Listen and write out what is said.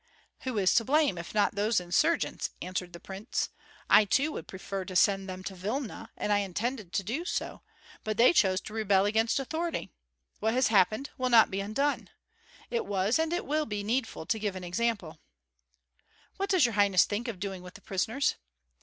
"Who is to blame, if not those insurgents?" answered the prince. "I too would prefer to send them to Vilna, and I intended to do so. But they chose to rebel against authority. What has happened will not be undone. It was and it will be needful to give an example." "What does your highness think of doing with the prisoners?"